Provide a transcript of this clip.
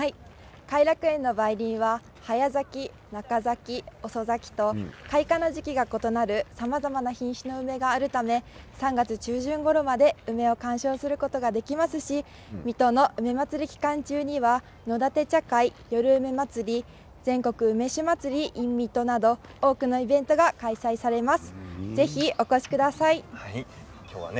偕楽園の梅林は早咲き、中咲き、遅咲きと開花の時期が異なるさまざまな品種の梅があるため３月中旬ごろまで梅を観賞することができますし水戸の梅まつり期間中には野だて茶会、夜梅まつり全国梅酒祭りｉｎ水戸など多くのイベントが開催されます。